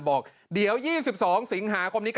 บอกเดี๋ยว๒๒สิงหาคมนี้